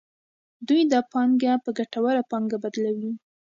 دوی دا پانګه په ګټوره پانګه بدلوي